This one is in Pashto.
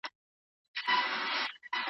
ټکنالوژي بايد د مطالعې مخه ونه نيسي.